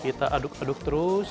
kita aduk aduk terus